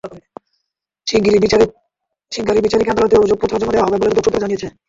শিগগিরই বিচারিক আদালতে অভিযোগপত্র জমা দেওয়া হবে বলে দুদক সূত্র জানিয়েছে।